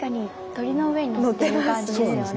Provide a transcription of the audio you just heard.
鳥の上に乗ってる感じですよね。